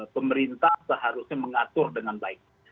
pemerintah seharusnya mengatur dengan baik